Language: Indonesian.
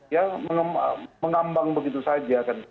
ya mengambang begitu saja